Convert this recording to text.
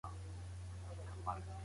ايډيالوژيک تاريخ د ملي ګټو پر ضد دی.